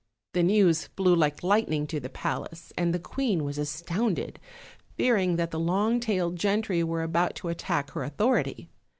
The news flew like lightning to the palace, and the queen was astounded, fearing that the long tailed gentry were about to attack her authority.